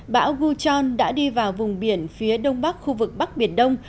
bão guchon đã đi vào vùng biển phía đông bắc khu vực bắc biển đông